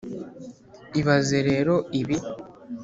ibaze rero ibi,